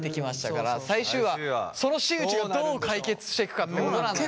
最終話その新内がどう解決していくかってことなのよ。